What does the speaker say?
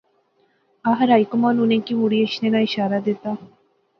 آخر ہائی کمان انیں کی مڑی اچھے ناں شارہ دتا